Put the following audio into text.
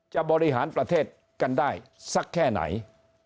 บริหารประเทศกันได้สักแค่ไหน